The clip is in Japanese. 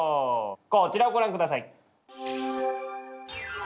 こちらをご覧下さい！